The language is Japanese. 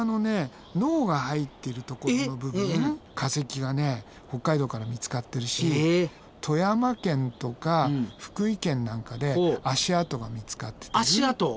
脳が入ってるところの部分化石がね北海道から見つかってるし富山県とか福井県なんかで足跡が見つかってたり。